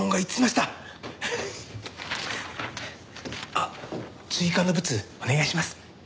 あっ追加のブツお願いします。